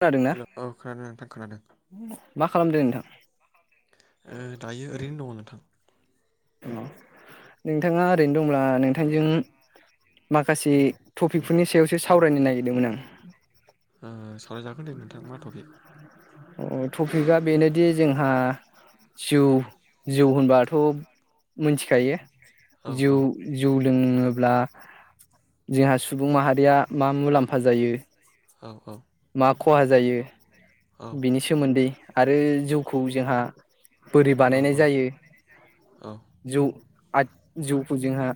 खोनादोंना हेल' औ खोनादों नोंथां खोनादों मा खालामदो नोंथां ओ दायो ओरैनो दङ नोंथां अ नोंथाङा ओरैनो दंब्ला नोंथांजों माखासे टपिकफोरनि सायावसो सावरायनो नागिरदोंमोन आं ओ सावरायजागोन दे नोंथां मा थफिक अ टपिकआ बेनोदि जोंहा जिउ जिउ होनबाथ' मिथिखायो औ जौ औ जौ लोङो ब्ला जोंहा सुबुं माहारिया मा मुलाम्फा जायो औ औ मा खहा जायो औ बिनि सोमोन्दै आरो जौखौ जोंहा बोरि बानायनाय जायो औ जौ आ जौखौ जोंहा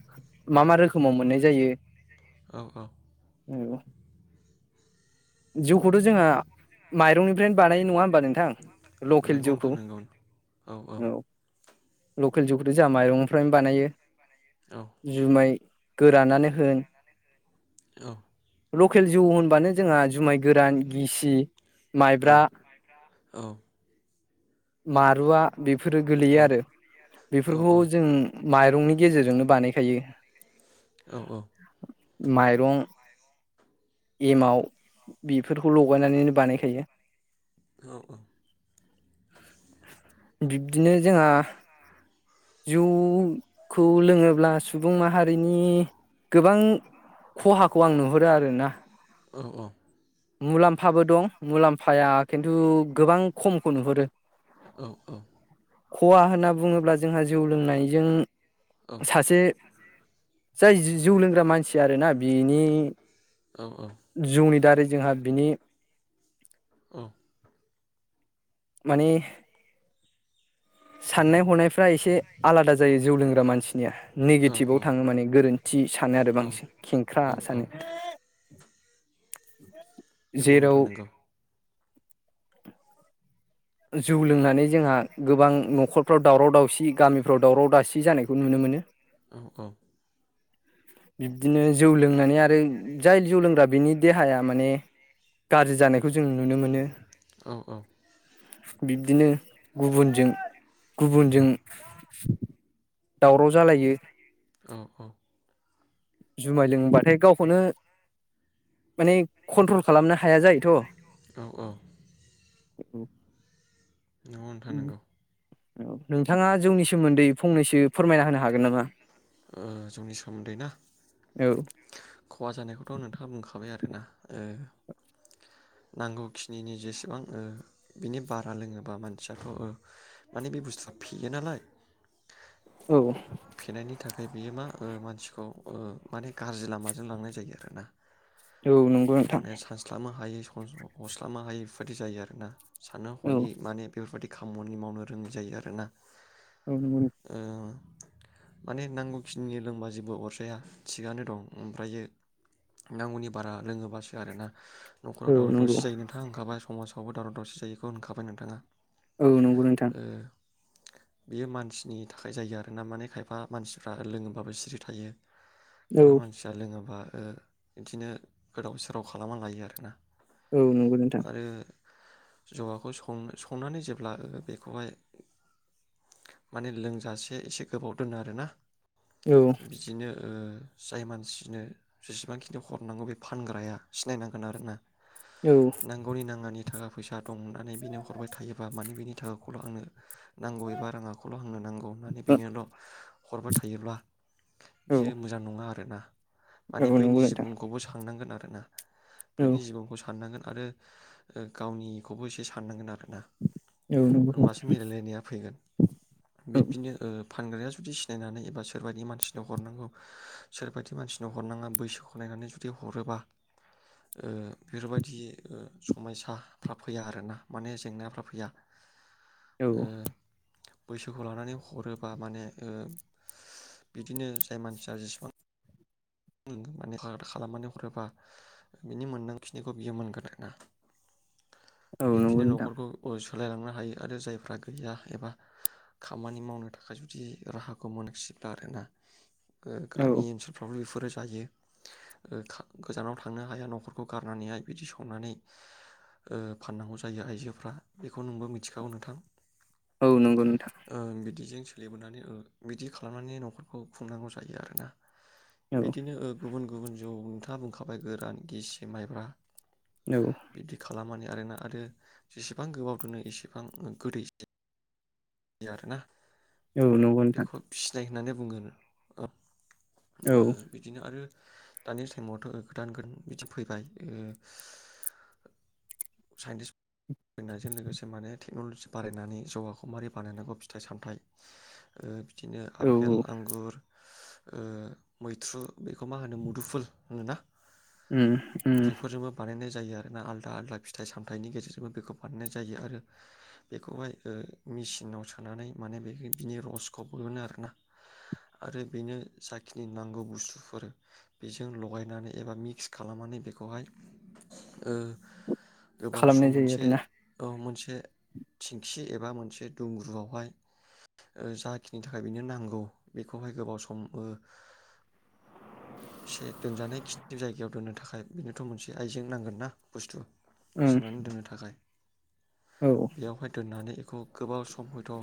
मा मा रोखोमाव मोननाय जायो? औ औ औ जौखौथ जोंहा माइरंनिफ्रायनो बानायो नङा होमबा नोंथां? लकेल नंगौ जौखौ नोंथां नंगौ औ लकेल जौखौथ जोंहा माइरंनिफ्रायनो बानायो। औ जुमाइ गोरानानो होन औ लखेल जौ होनबानो जोंहा जुमाय गोरान गिसि औ माइब्रा औ मारुवा बेफोरो गोलैयो औ आरो औ बेफोरखौ जों औ माइरंनि गेजेरजोंनो बानायखायो। औ औ माइरं एमाव बेफोरखौ लगायनानैनो बानायखायो। औ औ बिब्दिनो जोंहा जौखौ लोङोब्ला सुबुं माहारिनि गोबां खहाखौ आं नुहरो आरोना। अ अ मुलाम्फाबो दं मुलाम्फाया खिन्थु गोबां खमखौ नुहरो। औ औ खहा होनना बुङोब्ला जोंहा जौ लोंनायजों सासे जाय जौ लोंग्रा मानसि आरो ना बिनि जौनि दारै जोंहा बिनि औ माने साननाय हनायफ्रा एसे आलादा जायो जौ लोंग्रा मानसि निया निगेटिभाव थाङो माने गोरोन्थि सानो आरो बांसिन खेंख्रा सानो। [inaudible] नोंगौ जेराव नोंथां नोंगौ जौ लोंनानै जोंहा गोबां नखरफ्राव दावराव दावसि गामिफ्राव दावराव दावसि जानायखौ नुनो मोनो। औ औ बिब्दिनो जौ लोंनानै आरो जाय जौ लोंग्रा बिनि देहाया माने गाज्रि जानायखौ जों नुनो मोनो। औ बिब्दिनो गुबुनजों गुबुनजों दावराव जालायो औ औ जुमाय लोंबाथाय गावखौनो माने कन्ट्रल खालामनो हाया जायोथ' [unintelligible] न'आवनो थानांगौ औ नोंथाङा जौनि सोमोन्दै फंनैसो फोरमायना होनो हागोन नामा ओ जौनि सोमोन्दै ना औ खहा जानायखौथ' नोंथाङा बुंखाबाय आरोना ओ नांगौखिनिनि जेसेबां ओ बिनि बारा लोङोबा मानसियाथ' ओ माने बे बुस्थुआ फेयो नालाय औ फेनायनि थाखाय बियो मा ओ मानसिखौ ओ माने गाज्रि लामाजों लांनाय जायो आरोना औ नंगौ नोंथां माने सानस्लाबनो हायै हमस्लानो हायै बेफोरबायदि जायो आरोना साननो औ हयै माने बेफोरबादि खामानि मावनो रोङै जायो आरोना औ नंगौ ओ माने नांगौखिनि लोंबा जेबो अरजाया थिगानो दं ओमफ्रायो नांगौनि बारा लोङोबासो आरोना नखराव औ दावराव नंगौ दावसि जायो नोंथां होनखाबाय समास आवबो दावराव दावसि जायोखौ होनखाबाय नोंथाङा औ नंगौ नोंथां ओ बेयो मानसिनि थाखाय जायो आरो ना माने खायफा मानसिफ्रा लोङोबाबो सिरि थायो औ खायफा मानसिया लोङोबा ओ बिदिनो गोदाव सोराव खालामना लायो आरो ना औ नंगौ नोंथां जवाखौ सं संनानै जेब्ला बेखौहाय माने लोंजासे एसे गोबाव दोनो आरोना औ बिदिनो ओ जाय मानसिनो जेसेबांखिनि हरनांगौ बे फानग्राया सिनायनांगोन आरोना औ नांगौनि नाङानि थाखा फैसा दं होननानै बिनो हरबाय थायोबा माने बिनि थाखाखौल' आंनो नांगौ एबा राङाखौल' हांनो नांगौ होननानै ल' हरबाय थायोब्ला बियो मोजां नङा आरोना माने औ नंगौ बैनि नोंथां जिबनखौबो सांनांगोन आर थाङा औ बैनि जिबनखौ साननांगोन। आरो ओ गावनिखौबो एसे साननांगोन आरो ना औ नंगौ होनबासो नोंथां मिलायलायनाया फैगोन औ बिब्दिनो फानग्राया जुदि सिनायनानै एबा सोरबादि मानसिनो हरनांगौ सोरबादि मानसिनो हरनाङा बैसोखौ नायनानै जुदि हरोबा ओ बेफोरबायदि ओ समयसाफ्रा फैया आरोना माने जेंनाफ्रा फैया। औ। ओ बैसोखौ लानानै हरोबा माने ओ बिदिनो जाय मानसिया जिसिबां [unintelligible] हरोबा बिनि मोन्दां खिनिखौ बियो मोनगोन आरोना औ नंगौ बिब्दिनो नोंथां न'खरखौ अस सोलायलांनो हायो आरो जायफ्रा गैया एबा खामानि मावनो थाखाय जुदि राहाखौ मोनसिब्ला आरोना ओ औ गामि ओनसोलफ्रावलि फु जायो गोजानाव थांनो हाया न'खरखौ गारनानैहाय बिदि संनानै ओ फाननांगौ जायो आइजोफ्रा बेखौ नोंबो मिथिखागौ नोंथां औ नंगौ नोंथां। ओ बिदिजों सोलिबोनानै ओ बिदि खालामनानै न'खरखौ खुंनांगौ जायो आरोना। औ बिदिनो ओ गुबुन गुबुन। गुबुन जौ नोंथाङा बुंखाबाय गोरान गिसि माइब्रा औ बिदि खालामनानै कारेन्टआ आरो जेसेबां गोबाव दोनो एसेबां गोदैस बि आरो ना औ नंगौ नोंथां बेखौ फिनाय होननानै [unintelligible] ओ औ बिदिनो आरो दानि टाइमावथ' गोदान गोदान बिदि फैबाय उम साइन्टिस फैनायजों लोगोसे माने टेक्न'लजि बारायनानै जौगाखौ मारै बानायनांगौ फिथाइ-सामथाइ ओ बिदिनो औ आफेल, आंगुर ओ मैथ्रु बेखौ मा होनो मुदुफुल होनोना उम उम। बेफोरजोंबो बानायनाय जायो आरोना आलादा आदा फिथाइ सामथनि गेजेरजों बेखौ बानायनाय जायो आरो बेखौहाय ओ मिसि सिनाव सोनानै माने बे बिनि रसखौ बहनो आरोना आरो बेनो जाखिनि नांगौ बुस्थुफोर बेजों लगायनानै एबा मिक्स खालामनानै बेखौहाय ओ गोबाव सम खालामनाय जायो मोनसे आरोना ओ मोनसे मोनसे थिंखि एबा मोनसे दुंग्रुआवहाय ओ जाखिनि थाखाय बेनो नांगौ बेखौहाय गोबाव सम ओ एसे दोनजानाय खिनि जायगायाव दोननो थाखाय बेनोथ' मोनसे आइजें नांगोनना बुस्थु उम सोननानै दोननो थाखाय औ बेयावहाय दोननानै खौ गोबाव सम हयथ' ओ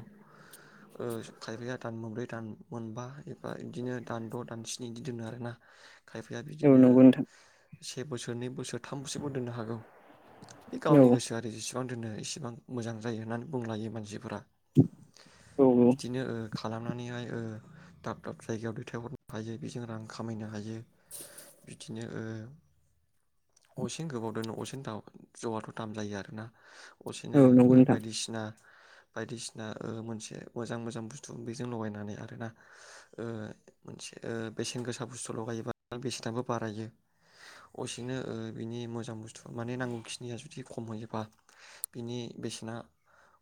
खायफाया दान मोनब्रै दान मोनबा एबा बिदिनो दानद' दानस्नि बिदि दोनो आरोना खायफाया औ बिदिनो नंगौ नोंथां से बोसोर नै बोसोर थामसोबो दोननो हागौ बे औ गावनि गोसो आरो जेसेबां बेसेबां दोननो इसेबां मोजां जायो होननानै बुंलायो मानसि सिफोरा औ खालामनानैहाय ओ दाब दाब जायगायाव दैथायहरनो हायो बेजों रां खामायनो हायो बिदिनो ओ असेन गोबाव दोनो असेन जौआथ' दाम जायो आरोना असेनो औ नंगौ ओ नोंथां बायदिसिना बायदिसिना ओ मोनसे मोजां मोजां बुस्थु बेजों लगायनानै आरोना ओ मोनसे ओ बेसेन गोसा बुस्थु लगायोबा बेसेनाबो बारायो असेनो ओ बिनि मोजां बुस्थु माने नांगौ खिनिया जुदि खमहयोबा बिनि बेसेना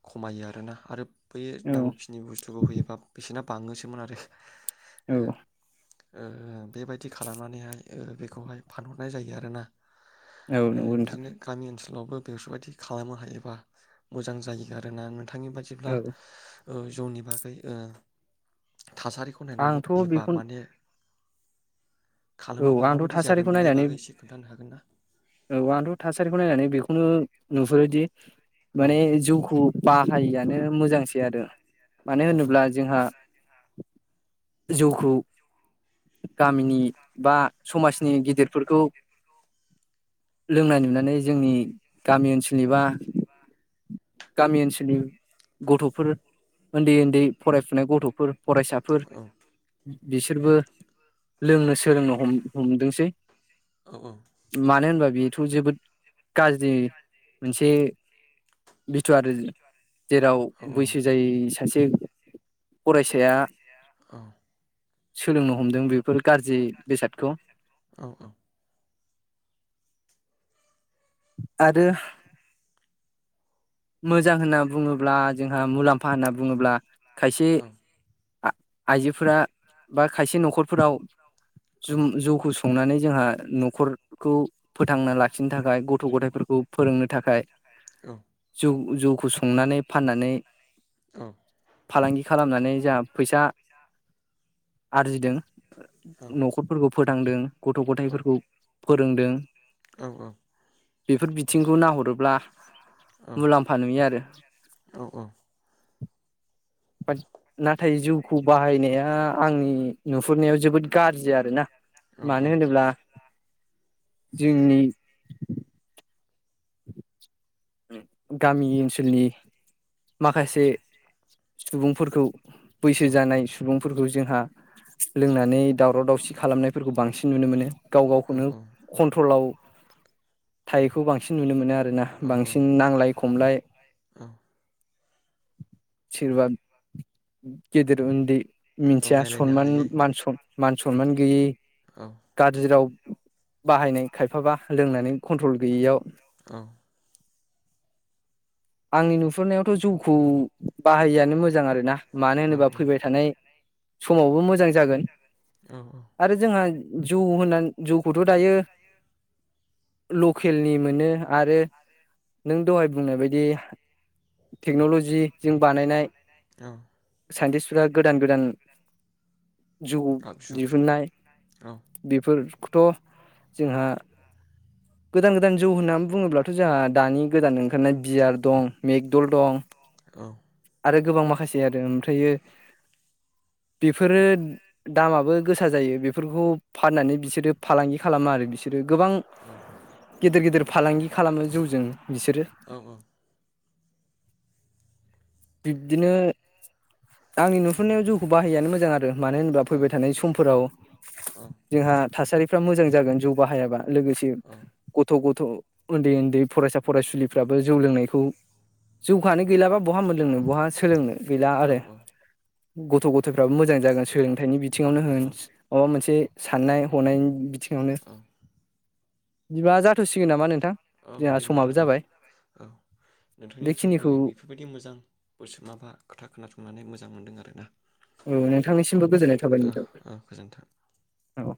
खमायो आरो आरोना आरो बै औ नांगौखिनि बुस्थुखौ होयोबा बेसेना बाङोसोमोन आरो औ ओ ओ बेबायदि खालामनानैहाय ओ बेखौहाय फानहरनाय जायो आरोना औ ओ नंगौ नोंथां बिदिनो गामि ओनसोलाव स्कुलावबो बेफोरबायदि खालामनो हायोबा मोजां जायो आरोना थांनि बादिब्ला औ ओ जौनि बागै ओ थासारिखौ नायनानै आंथ' बियोबा बेखौ माने औ खालामोबा आंथ' माबायदि जागोन थासारिखौ बेनि नायनानै बागै एसे खोन्थानो हागोन ना औ बंथ' थासारिखौ नायनानै बेखौनो नुहुरोदि औ माने जौखौ बाहायिआनो मोजांसै आरो मानो औ औ होनोब्ला जोंहा जौखौ गामिनि बा समाजनि गिदिरफोरखौ लोंनाय नुनानै जोंनि गामि ओनसोलनि बा गामि ओनसोलनि गथ'फोर उन्दै उन्दै फरायफुनाय गथ'फोर फरायसाफोर औ बिसोरबो लोंनो सोलोंनो हमदोंसै औ मानो होनबा बेथ' जोबोद गाज्रि मोनसे [unintelligible] जेराव औ बैसो जायो सासे फरायसाया औ सोलोंनो हमदों बेफोर गाज्रि बेसादखौ औ औ आरो मोजां होनना बुङोब्ला जोंहा मुलाम्फा होनना बुङोब्ला खायसे आइजोफोरा बा खायसे न'खरफोराव जु जौखौ संनानै जोंहा न'खरखौ फोथांना लाखिनो थाखाय गथ' गथायाइफोरखौ फोरोंनो थाखाय औ जौ जौखौ संनानै फाननानै औ फालांगि खालामनानै जा फैसा आरजिदों न'खरफोरखौ फोथांदों गथ' गथायाइफोरखौ फोरोंदों औ औ बेफोर बिथिंखौ नाहरोब्ला मुलाम्फा नुयो आरो औ औ नाथाय जिउखौ बाहायनाया आंनि नुहुरनायाव जोबोद गाज्रि आरोना मानो होनोब्ला जोंनि गामि ओनसोलनि माखासे सुबुंफोरखौ बैसो जानाय सुबुंफोरखौ जोंहा लोंनानै दावराव दावसि खालामनायफोरखौ बांसिन नुनो मोनो गाव गावखौनो कन्ट्रलाव थायोखौ बांसिन सिन नुनो मोन आरो आरोना बांसिन नांलाय खमलाय औ सोरबा गिदिर ओन्दै औ मिथिया नायलायनो सनमान हायो मान सन मान सनमान गैयै औ गाज्रि राव बाहायनाय खायफाबा लोंनानै कन्ट्रल गैयियाव औ आंनि नुहुरनायावथ जौखौ बाहायिआनो मोजां आरो ना। मानो औ होनोबा फैबाय थानाय समावबो मोजां जागोन। औ आरो जोंहा जौ होननानै जौखौथ दायो लकेलनि मोनो। आरो नों दहाय बुंनाय बायदि टेक्नलजिजों बानायनाय औ साइन्टिस्फोरा गोदान गोदान जौ आगजु दिहुननाय औ बेफोर थ जोंहा गोदान गोदान जौ होनना बुङोब्लाथ जोंहा दानि गोदान ओंखारनाय बियार दं मेकदुल दं। औ आरो गोबां माखासे आरो ओमफ्रायो बेफोरो दामाबो गोसा जायो। बेफोरखौ फाननानै बिसोरो फालांगि खालामो आरो बिसोरो गोबां गिदिर गिदिर फालांगि खालामो जौजों। बिसोरो औ बिब्दिनो आंनि नुहुरनायाव जौखौ बाहायैयानो मोजां आरो मानो होनोबा फैबाय थानाय समफोराव जोंहा थासारिफ्रा मोजां जागोन जौ बाहायाबा लोगोसे गथ गथ थ उन्दै उन्दै फरायसा फरायसुलिफ्राबो जौ लोंनायखौ जौखानो गैलाबा बहा मोनलोंनो बहा सोलोंनो? गैला आरो गथ गथायफ्राबो मोजां जागोन सोलोंथाइनि बि थिङावनो होन माबा मोन से साननाय हनायनि बिथि ङावनो बिबा जाथसिगोन नामा नों औ दे नोंथां औ औ नोंथांनिफ्राय ओ बेखिनिखौ बेफोरबायदि मोजां बोस माबा खोथा खोनासंनानै मोजां मोनदों आरो ना। औ नोंथांनिसिमबो गोजोननाय थाबाय ओ गोजोन्थों नोंथां औ।